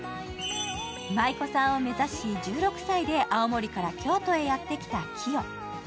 舞妓さんを目指し１６歳で青森から京都へやってきたキヨ。